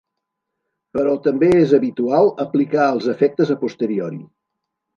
Però també és habitual aplicar els efectes a posteriori.